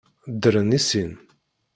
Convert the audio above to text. Ddren i sin.